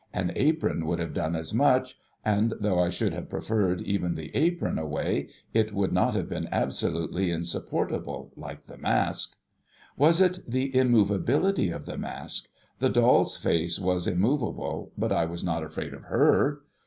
An apron would have done as much ; and though I should have preferred even the apron away, it would not have been absolutely insupportable, like the mask. Was it the THAT DREADFUL MASK '5 immovability of the mask ? The doll's face was immovable, but I was not afraid of her.